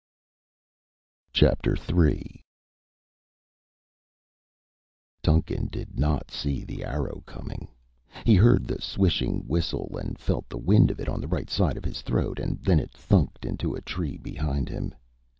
III Duncan did not see the arrow coming. He heard the swishing whistle and felt the wind of it on the right side of his throat and then it thunked into a tree behind him.